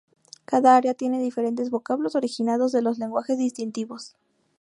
Cada área tiene diferentes vocablos originados de los lenguajes distintivos.